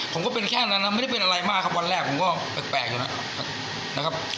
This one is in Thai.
ผมก็เป็นแค่นั้นนะไม่ได้เป็นอะไรมากครับวันแรกผมก็แปลกอยู่นะครับ